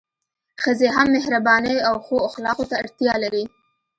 ښځي هم مهربانۍ او ښو اخلاقو ته اړتیا لري